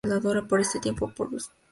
Por este tiempo Purvis está tras ellos.